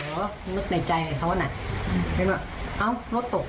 ลนึกในใจคุณก็นะเอ้าลูกตก